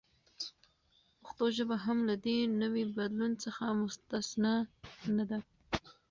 پښتو ژبه هم له دې نوي بدلون څخه مستثناء نه ده.